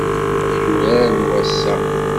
Ay urar n wass-a.